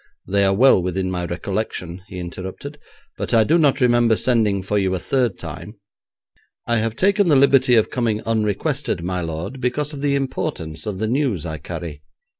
'They are well within my recollection,' he interrupted, 'but I do not remember sending for you a third time.' 'I have taken the liberty of coming unrequested, my lord, because of the importance of the news I carry.